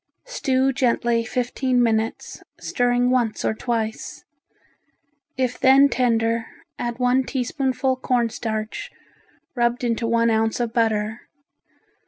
Stew gently fifteen minutes, stirring once or twice. If then tender, add one teaspoonful cornstarch rubbed into one ounce of butter.